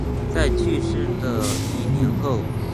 在去世的一年后